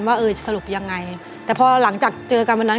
ว่าเออสรุปยังไงแต่พอหลังจากเจอกันวันนั้น